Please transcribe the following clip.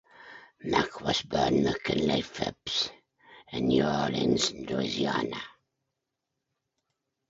Mac was born Mckinley Phipps in New Orleans, Louisiana.